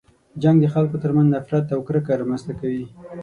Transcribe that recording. جنګ د خلکو تر منځ نفرت او کرکه رامنځته کوي.